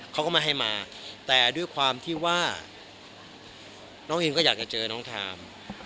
เขาก็ไม่ให้มาแต่ด้วยความที่ว่าน้องอินก็อยากจะเจอน้องทาม